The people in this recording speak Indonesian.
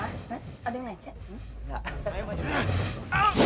kamu aman disini kamu gak apa apa